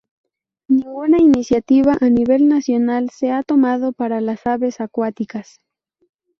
Ninguna iniciativa a nivel nacional se ha tomado para las aves acuáticas.